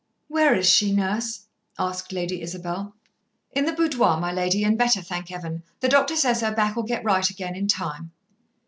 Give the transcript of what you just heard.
"Where is she, Nurse?" said Lady Isabel. "In the boudoir, my lady, and better, thank Heaven. The doctor says her back'll get right again in time."